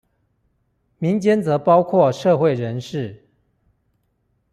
民間則包括社會人士